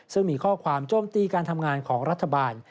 ซึ่งมีข้อความโจมตีการทำงานของรัฐบาล